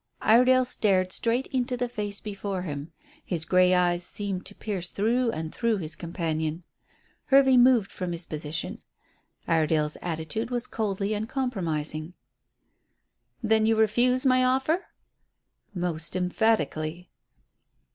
Iredale stared straight into the face before him. His grey eyes seemed to pierce through and through his companion. Hervey moved from his position. Iredale's attitude was coldly uncompromising. "Then you refuse my offer?" "Most emphatically."